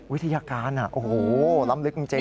วิทยาการโอ้โหล้ำลึกจริง